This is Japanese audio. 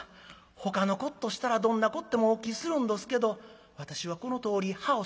ほかのこっとしたらどんなこってもお聞きするんどすけど私はこのとおり歯を染めております。